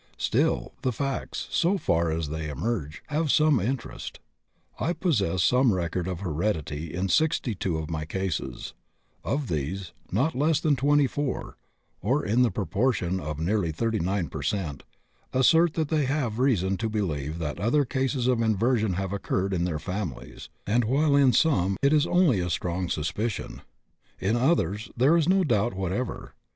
Still, the facts, so far as they emerge, have some interest. I possess some record of heredity in 62 of my cases. Of these, not less than 24, or in the proportion of nearly 39 per cent., assert that they have reason to believe that other cases of inversion have occurred in their families, and, while in some it is only a strong suspicion, in others there is no doubt whatever.